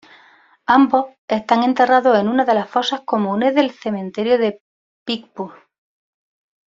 Ambos están enterrados en una de las fosas comunes del cementerio de Picpus.